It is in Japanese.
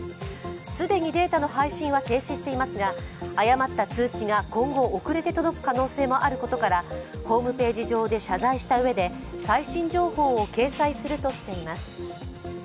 既にデータの配信は停止していますが、誤った通知が今後遅れて届く可能性もありますからホームページ上で謝罪したうえで、最新情報を掲載するとしています。